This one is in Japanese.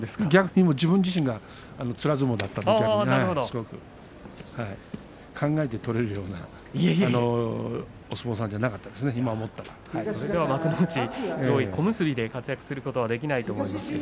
自分自身がつら相撲だったのでね考えて取ることができるようなそんなお相撲さんじゃなかった幕内上位小結で相撲を取ることはできないと思いますよ。